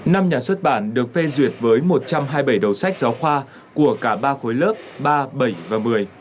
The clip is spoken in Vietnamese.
năm nhà xuất bản được phê duyệt với một trăm hai mươi bảy đầu sách giáo khoa của cả ba khối lớp ba bảy và một mươi